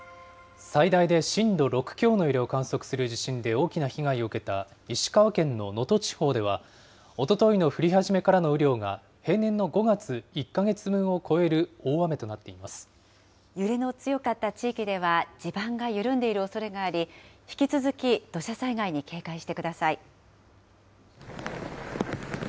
最大で震度６強の揺れを観測する地震で大きな被害を受けた石川県の能登地方ではおとといの降り始めからの雨量が平年の５月１か月揺れの強かった地域では地盤が緩んでいるおそれがあり、引き続き土砂災害に警戒してください。